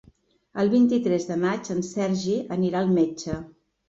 El vint-i-tres de maig en Sergi anirà al metge.